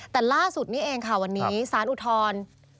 แต่ล่าสุดนี้เองค่ะวันนี้สารอุทธร